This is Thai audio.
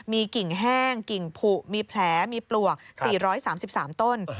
มีกิ่งแห้งกิ่งผูมีแผลมีปลวก๔๓๓ต้น